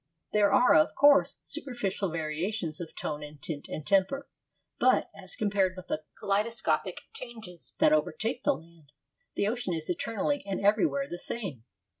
There are, of course superficial variations of tone and tint and temper; but, as compared with the kaleidoscopic changes that overtake the land, the ocean is eternally and everywhere the same.